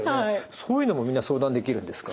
そういうのもみんな相談できるんですか？